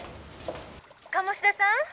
「鴨志田さん？」